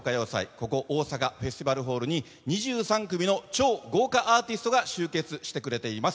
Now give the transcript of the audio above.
ここ大阪フェスティバルホールに２３組の超豪華アーティストが集結してくれています。